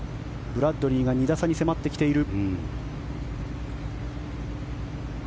ブラッドリーが２打差に迫ってきている。